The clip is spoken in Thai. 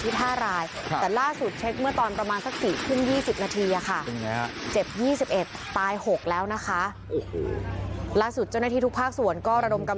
หลายคนหลายคนหลายคนหลายคนหลายคนหลายคนหลายคนหลายคน